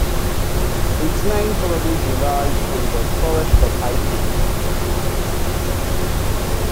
Its name probably derives from the Forest of High Peak.